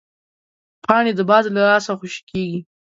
پاڼې د باد له لاسه خوشې کېږي